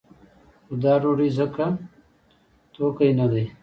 خو دا ډوډۍ ځکه توکی نه دی.